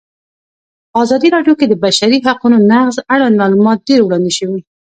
په ازادي راډیو کې د د بشري حقونو نقض اړوند معلومات ډېر وړاندې شوي.